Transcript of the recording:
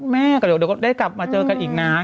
แม่ก็เดี๋ยวก็ได้กลับมาเจอกันอีกนะ